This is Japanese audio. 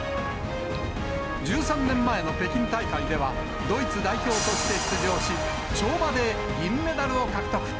１３年前の北京大会では、ドイツ代表として出場し、跳馬で銀メダルを獲得。